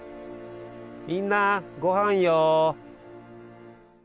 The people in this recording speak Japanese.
みんなごはんよ。